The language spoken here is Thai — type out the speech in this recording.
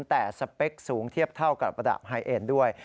แต่สเปคสูงเทียบเท่ากับระดับไฮเอ็นด้วย